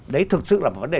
đấy thực sự là một vấn đề